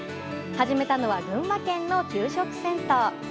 始めたのは群馬県の給食センター。